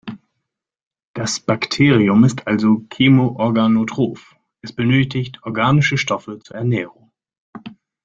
Das Bakterium ist also chemoorganotroph, es benötigt organische Stoffe zur Ernährung.